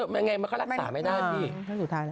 มันก็รักษาไม่น่าดี